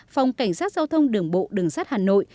phòng cảnh sát giao thông đường bộ đường sát hà nội